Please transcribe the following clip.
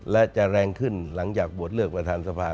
และจะแรงขึ้นหลังจากโหวตเลือกประธานสภา